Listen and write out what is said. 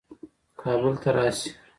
کابل ته راسي.